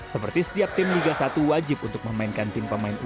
seperti setiap tim liga satu wajib untuk memainkan tim pemain u dua puluh tiga